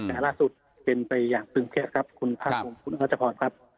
แต่ล่าสุดเป็นไปอย่างตึงแค่ครับคุณภาคภูมิคุณรัชพรครับ